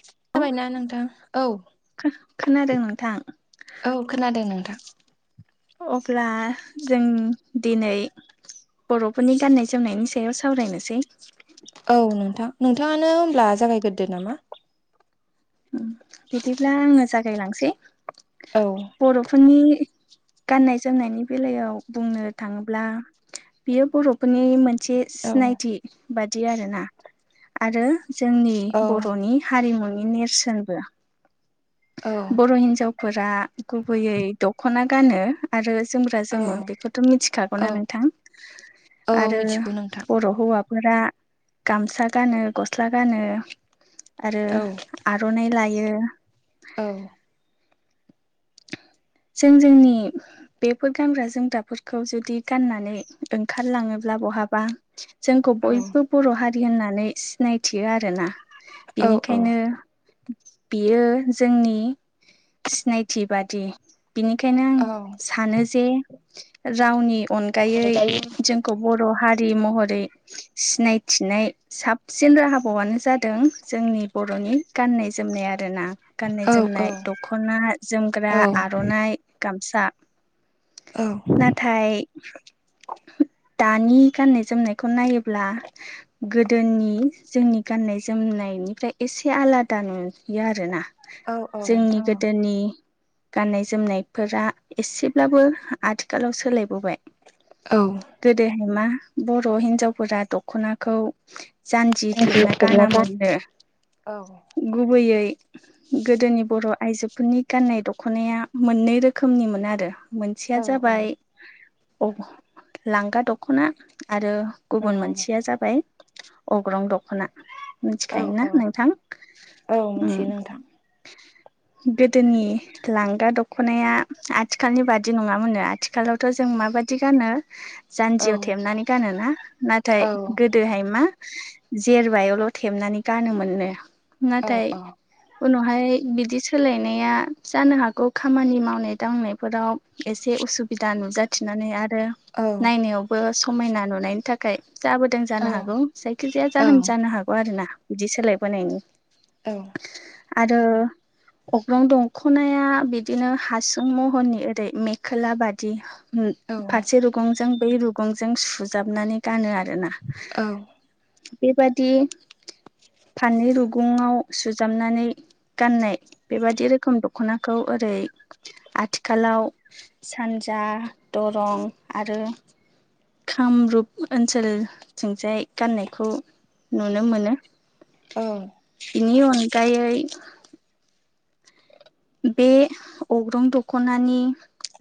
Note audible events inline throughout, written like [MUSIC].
जाबायना नोंथां? औ खो-खोनादों नोंथां। औ खोनादों नोंथां अब्ला, जों दिनै, बर'फोरनि गाननाय जोमनायनि सायाव सावरायनोसै, औ नोंथां नोंथाङानो होनब्ला जागायग्रोदो नामा? ओम बिदिब्ला आंनो जागायलांसै, औ बर'फोरनि गाननाय जोमनायनि बेलायाव बुंनो थाङोब्ला बियो बर'फोरनि मोनसे औ सिनायथि बादि, आरोना। आरो जोंनि औ बर'नि हारिमुनि नेरसोनबो, औ बर' हिनजावफोरा गुबैयै दख'ना गानो। आरो जोमग्रा औ जोमो बेखौथ' औ मिथिखागौना नोंथां। औ आरो मिथिगौ नोंथां बर' हौवा फोरा गामसा गानो, गस्ला गानो आरो औ आर'नाइ लायो। औ जों जोंनि बेफोर गानग्रा जोमग्राफोरखौ जुदि गाननानै ओंखारलाङोब्ला बहाबा जोंखौ औ बयबो बर' हारि होननानै सिनायथियो आरोना। औ बेनिखायनो, औ बेयो जोंनि सिनायथि बादि बिनिखायनो आं औ सानो जे रावनि अनगायै दायो जों खौ बर' हारि महरै सिनायथिनाय साबसिन राहाबावनो जादों जोंनि बर'नि गाननाय जोमनाय आरोना। औ गाननाय-जोमनाय, दख'ना, जोमग्रा औ आर'नाइ, गामसा। औ नाथाय, दानि गाननाय-जोमनायखौ नायोब्ला गोदोनि जोंनि गाननाय जोमनायनिफ्राय एसे आलादा नुयो आरोना। औ औ जोंनि नोंथां गोदोनि गाननाय-जोमनायफोरा एसेब्लाबो आथिखालाव सोलायबोबाय। औ गोदोहाय मा बर' हिनजावफोरा दख'नाखौ जानजि औ थेबना गाना मोननो। गुबैयै गोदोनि बर' आइजोफोरनि गाननाय दख दख'नाया मोननै रोखोमनि मोन आरो मोनसेया औ जाबाय ओह लांगा दख'ना आरो गुबुन मोनसेया जाबाय अग्रं दख'ना। औ मिथिखायोना औ नोंथां औ उम। मिथियो नोंथां गोदोनि लांगा दख'नाया आथिखालनि बादि नङामोननो आथिखालावथ' जों माबादि गानो औ जानजियाव थेबनानै गानोना नाथाय औ गो गोदोहाय मा जेरबायावल' थेबनानै गानोमोननो औ नाथाय औ उनावहाय बिदि सोलायनाया जानो हागौ खामानि मावनाय दांनाय फोराव एसे उसुबिदा नुजाथिनानै आरो औ नायनायाव बो समायना नुनायनि थाखाय जाबोदों जानो हागौ जायखिजाया जाहोन जानो हागौ आरोना। बिदि सोलायबोनायनि औ आरो अग्रां दं ख'नाया बिदिनो हासुं महरनि ओरै मेखला बादि। होमम औ फारसे रुगंजों बै रुगंजों सुजाबनानै गानो आरोना औ बेबादि फाननि रुगुङाव सुजाबनानै गाननाय बेबादि रोखोम रोखोम दखनाखौ ओरै आथिखालाव सानजा दरं आरो कामरुप ओनसोलथिंजाय गाननायखौ नुनो मोनो। औ बेनि अनगायै बे अग्रं दख'नानि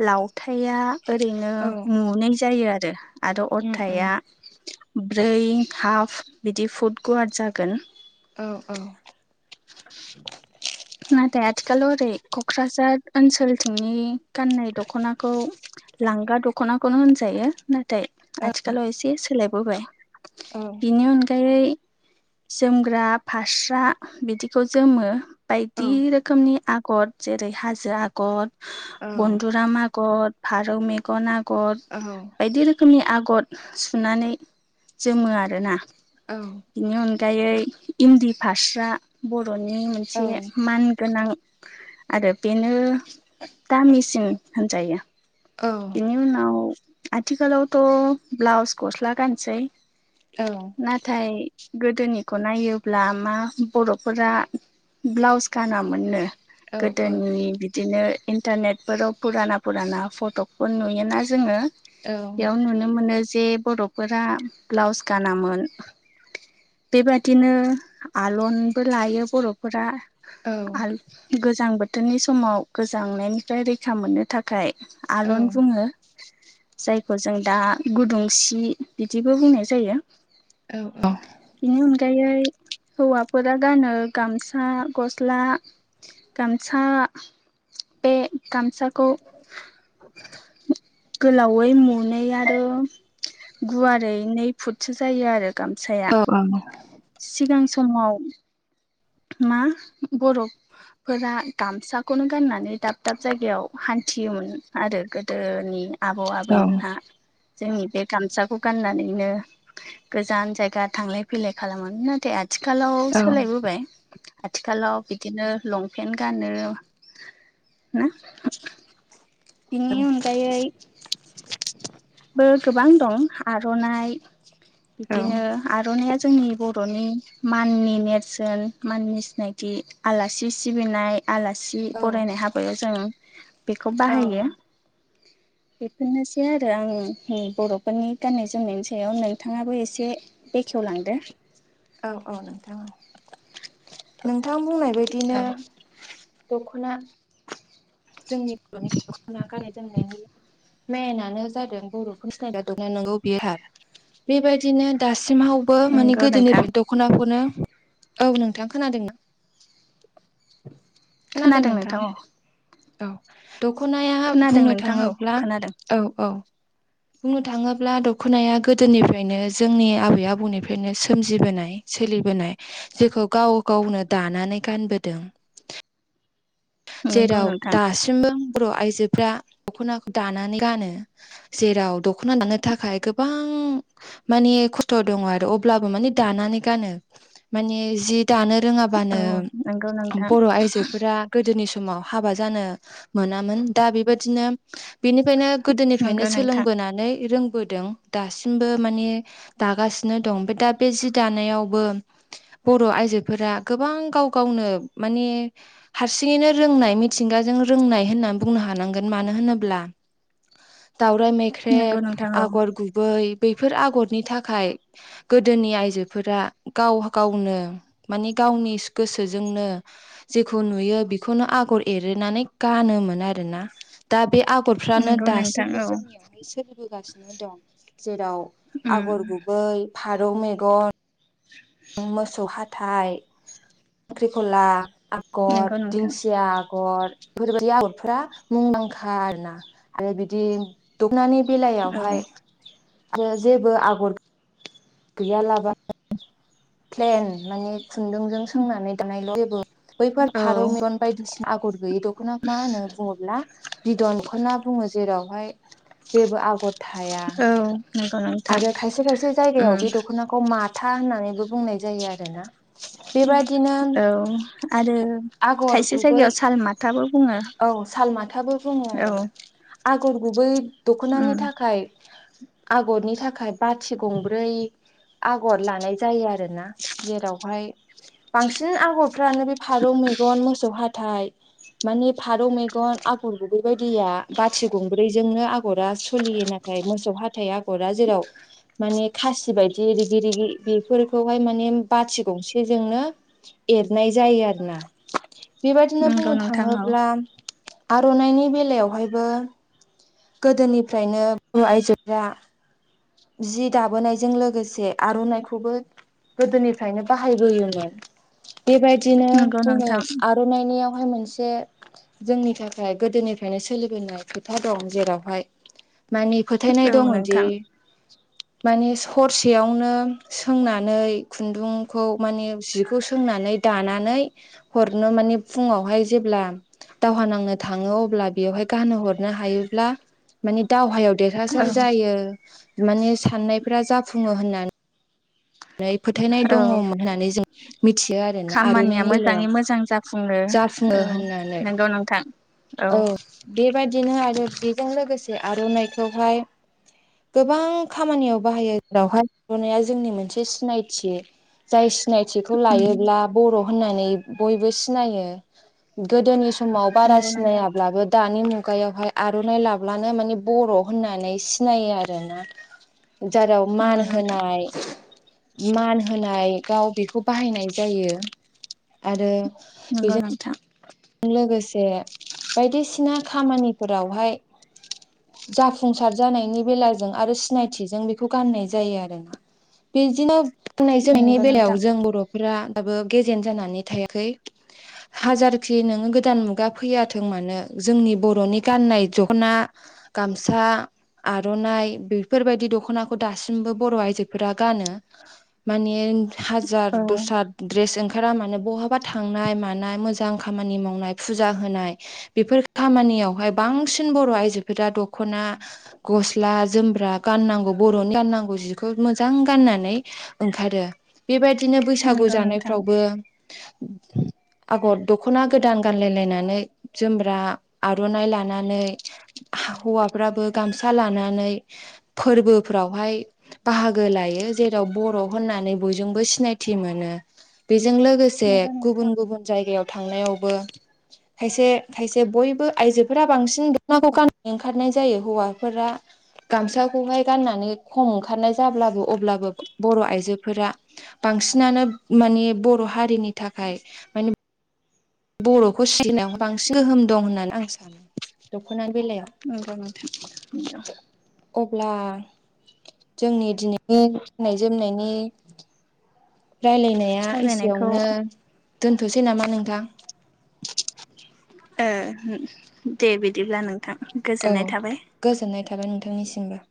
लावथाया ओरैनो औ मुनै जायो आ आरो अरथाया ब्रै हाफ बिदि फुट गुवार जागोन। औ औ नाथाय आथिखालाव ओरै क'क्राझार ओनसोलथिंनि गाननाय दख'नाखौ लांगा दख'नाखौनो होनजायो नाथाय आथिखालआव एसे सोलायबोबाय। औ। बेनि अनगायै जोमग्रा फास्रा बिदिखौ जोमो। बायदि रोखोमनि आगर जेरै हाजो आगर बन्दुराम आगर फारौ मेगन आगर बायदि रोखो रोखोमनि आगर सुनानै जोमो आरोना। बिनि अनगायै इन्दि फारास्रा बर'नि मोनसे मान गोनां आरो बेनो दामिसिन होनजायो। बेनि उनाव आथिखालावथ' ब्लाउस गस्ला गानसै औ। थाय गोदोनिखौ नायोब्ला मा बर'फोरा ब्लाउस गानामोननो गोदोनि बि बिदिनो इन्टारनेटफोराव फुराना फुराना फट'फोर नुयोना जोङो। बेयाव नुनो मोनो जे बर' फोरा ब्लाउस गानामोन बेबादिनो लनबो लायो बर'फोरा आ गोजां बोथोरनि समाव गोजांनायनिफ्राय रैखा मोननो थाखाय आरन बुङो। जायखौ जों दा गुदुंसि बिदिबो बुंनाय जायो। औ औ बेनि अनगायै हौवाफोरा गानो गामसा गस्ला गामसा बे गामसाखौ गोलावै मुनै आरो गुवारै नै फुटसो जायो आरो गामसाया सिगां समाव मा बर' फोरा गामसाखौनो गाननानै दाब दाब जायगायाव हान्थियोमोन आरो गोदोनि आबौ आबैमोनहा जोंनि बे गामसाखौ गाननानैनो गोजान जायगा थांलाय फैलाय खालामोमोन नाथाय आ आथिखालाव सोलायबोबाय आथिखालाव बिदिनो लंपेन्ट गानो ना बेनि अनगायै बो गोबां दं आर'नाइ बिदिनो आरनाइया जोंनि बर'नि माननि नेरसोन माननि सिनाखि आलासि सिबिनाय आलासि फरायनाय हाबायाव जों बेखौ बाहायो। बेफोरनोसै आरो आं बर'फोरनि गाननाय जोमनायनि सायाव नोंथाङाबो एसे बेखेवलांदो औ औ नोंथाङा नोंथां बुंनाय बायदिनो औ दख'ना जोंनि बर'नि दख'ना गाननाय जोमनायनि मेेनानो जादों बर'खौ सिनायग दखना नंगौ बिहार बेबायदिनो दासिमावबो माने नंगौ नोंथां गोदोनिफ्राय द दख'नाखौनो औ नोंथां खोनादोंना खोनादों नोंथां औ औ दख'नाया खोनादों बुंनो नोंथां औ थाङोब्ला खोनादों औ औ बुंनो थाङोब्ला दख'नाया गोदोनिफ्रायनो जोंनि आबै आबौनिफ्रायनो सोमजिबोनाय सोलिबोनाय जेखौ गाव गावनो दानानै गानबोदों नंगौ जेराव नोंथां दासिमबो बर' आइजोफ्रा दख'नाखौ दानानै गानो जेराव दख'ना दानो थाखाय गोबां माने खस्थ' दङ आरो अब्लाबो माने दानानै गानो माने जि दानो औ रोङाबानो नंगौ नोंथां बर' आयजो फोर गोदोनि समाव हाबा जानो मोनामोन दा बेबायादिनो बिनिफ्रायनो गोदोनिफ्रायनो नंगौ नोंथां सोलोंबोनानै रोंबोदों दासिमबो माने दागासिनो दं ओमफ्राय दा बे जि दानायावबो बर' आइजोफोरा गोबां गाव गावनो माने हारसिङैनो रोंनाय मिथिंगाजों रोंनाय होननानै बुंनो हानांगोन मानो होनोब्ला दावराय मे नंगौ ख्रेब नोंथां औ आगर गुबै बैफोर आगरनि थाखाय गोदोनि आइजोफोरा गाव-गावनो माने गावनि गोसोजोंनो जेखौ नुयो बे बेखौनो आगर एरनानै गानोमोन आरोना दा बे आगरफ्रानो नंगौ नोंथां दासिमबो औ जोंनियाव सोलिबोगासिनो दं जेराव उम आगर गुबै फारौ मेगन [INAUDIBLE] मोसौ हाथाइ ख्रिखला आगर नंगौ नोंथां दिंसिया आगर बेफोरबायदि आगरफोरा मुंदांखा आरोना आरो बिदि दखनानि औ बेलायावहाय आरो जेबो आगर गैयालाबा प्लेन माने खुन्दुंजों सोंनानै दानायल' जेबो बेफोर औ फारौ मेगन बायदिसिना आगर गैयि दख'ना मा होनो बुङोब्ला बिदन दखना बुङो जेरावहाय जेबो आगर थाया औ नंगौ नोंथां आरो खायसे खायसे जायगायाव उम बे दख'नाखौ माथा होननानैबो बुंनाय जायो आरो ना औ आरो आगर खायसे गुबै जायगायाव सालमाथाबो बुङो औ सालमाथाबो बुङो औ आरोना। आगर गुबै दख'नानि उम थाखाय आगरनि थाखाय बाथि गंब्रै आगर लानाय जायो आरोना जेरावहाय बांसिन आगरफ्रानो बे फारौ मेगन मोसौ हाथाइ मानि फारौ मेगन आगर गुबै बेैबायदिया बाथि गंब्रैजोंनो आगरा सोलिय ना मोसौ हाथाइ आगरा जेराव मानि खासि बायदि दि रिगि रिगि बेफोरखौहाय माने बाथि गंसेजोंनो एरनाय जायो आरोना बेबायदिनो नंगौ बुंनो नोंथां औ थाङोब्ला आर'नाइनि बेलायावहायबो गोदोनिफ्रायनो बर' आइजोफोरा जि दाबोनायजों लोगोसे आर'नाइखौबो गोदोनिफ्रायनो बाहायबोयोमोन बेबायदिनो नंगौ बुङो नोंथां दनायनियावहाय मोनसे जोंनि थाखाय गोदोनिफ्रायनो सोलिबोनाय खोथा दं जेरावहाय मानि फोथायनाय औ दङदि नोंथां माने हरसेयावनो सोंनानै खुन्दुंखौ माने जिखौ सोंनानै दानानै हरनो माने फुङावहाय जेब्ला दावहा नांनो थाङो अब्ला बेवहाय गानो हरनो हायोब्ला मानि दावहायाव औ देरहासार जायो माने साननायफोरा जाफुङो होननानै हाय फोथायनाय औ दङ होननानै जों मिथियो आरोना आर'नाइनि बेलायाव। बुङो जाफुङो औ होननानै नंगौ नोंथां औ। बेबायदिनो आरो बेजों लोगोसे आर'नाइखौहाय गोबां खामानियाव बाहायो जेरावहाय आर'नाइया जोंनि मोनसे से सिनायथि जाय सिनायथिखौ उम लायोब्ला बर' होननानै बयबो सिनायो गोदोनि समाव बारा नंगौ नोंथां सिनायाब्लाबो दानि मुगायावहाय आर'नाइ लाब्लानो माने बर' होननानै सिनायो आरोना। जेराव मान नंगौ नोंथां होनाय मान होनाय गाव बेखौ बाहायनाय जायो आरो नंगौ नोंथां जों लोगोसे बायदिसिना खामानिफोरावहाय जाफुंसार जानायनि बेलाजों आरो सिनायथिजों बेखौ गाननाय जायो आरो। बिब्दिनो गाननाय जोमनायनि नंगौ नोंथां बेलायाव जों बर'फोरा दाबो गेजेन जानानै थायाखै हाजार खि नोङो गोदान मुगा फैयाथों मानो जोंनि बर'नि गाननाय दखना गामसा आर'नाइ बेफोरबायदि दख'नाखौ दासिमबो बर' आइजोफोरा गानो। माने हाजार औ दस्रा द्रेस ओंखारा माने बहाबा थांनाय मानाय मोजां मोजां खामानि मावनाय फुजा होनाय बेफोर खामानियावहाय बांसिन बर' आइजोफोरा दख'ना गस्ला जोमब्रा गाननांगौ बर'नि गाननांगौ जिखौ मोजां गाननानै ओंखारो बेबायदिनो बैसागु नंगौ नोंथां जानायफ्रावबो आगर दख'ना गोदान गानलायलायनानै जोमग्रा आर'नाइ लानानै हौवाफ्राबो गामसा लानानै फोरबोफ्रावहाय बाहागो लायो जेराव बर' होननानै बयजोंबो सिनायथि मोनो बेजों लोगोसे से नंगौ गुबुन नोंथां गुबुन जायगायाव थांनायावबो खायसे खायसे बयबो आइजोफोरा बांसिन दख'नाखौ गानना ओंखारनाय जायो हौवाफोरा गामसाखौहाय गाननानै खम ओंखारनाय जाब्लाबो अब्लाबो बर' आइजोफोरा बांसिनानो माने बर' हारिनि थाखाय माने बर'खौ सिबिनायाव बांसिन गोहोम दं होननानै आं सानो दख'ना बेलायाव। नोंगौ नोंथां अब्ला जोंनि दिनैनि गाननाय जोमनायनि रायलायनाया सावरायनायखौ एसेयावनो दोनथ'सै नामा नोंथां ओ दे बिदिब्ला नोंथां औ गोजोननाय थाबाय गोजोननाय थाबाय नोंथांनिसिमबो